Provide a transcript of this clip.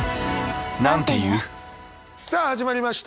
さあ始まりました。